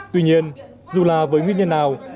tuy nhiên dù là với nguyên nhân nào